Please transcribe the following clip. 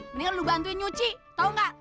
mendingan lu bantuin nyuci tau gak